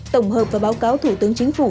tổng hợp và báo cáo thủ tướng chính phủ